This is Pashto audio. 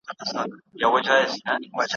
له آفته د بازانو په امان وي ,